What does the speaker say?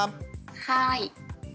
はい。